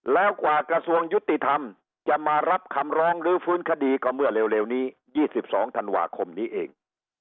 แล้วกว่ากระทรวงยุติธรรมจะมารับคำร้องลื้อฟื้นคดีก็เมื่อเร็วนี้๒๒ธันวาคมนี้เอง